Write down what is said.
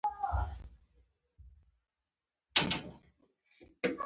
څلورمه ورځ راشه چې ټکونه دې خلاص کړم.